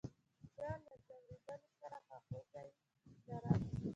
زه له ځورېدلو سره خواخوږي لرم.